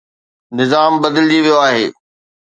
نظام بدلجي ويو آهي.